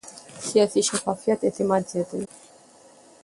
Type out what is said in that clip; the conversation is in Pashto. سیاسي شفافیت اعتماد زیاتوي